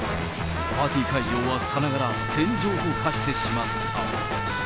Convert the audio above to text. パーティー会場はさながら戦場と化してしまった。